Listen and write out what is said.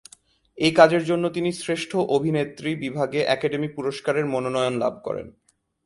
এই কাজের জন্য তিনি শ্রেষ্ঠ অভিনেত্রী বিভাগে একাডেমি পুরস্কারের মনোনয়ন লাভ করেন।